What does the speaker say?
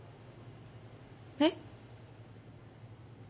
えっ？